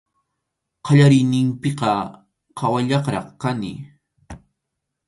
Qallariyninpiqa qhawallaqraq kani.